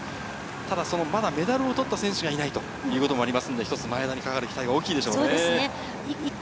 ただまだメダルを取った選手がいないということで、前田にかかる期待は大きいでしょうね。